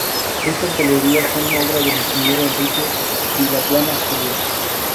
Estas galerías son obra del ingeniero Enrique Vilaplana Juliá.